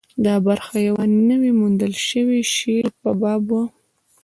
دا برخه د یوه نوي موندل شوي شعر په باب وه.